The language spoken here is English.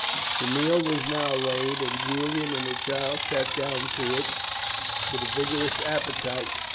The meal was now laid, and Julian and the child sat down to it with a vigorous appetite.